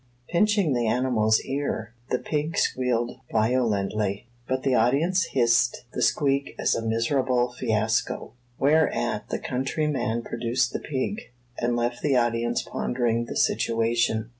Pinching the animal's ear, the pig squealed violently, but the audience hissed the squeak as a miserable fiasco. Whereat the countryman produced the pig, and left the audience pondering the situation.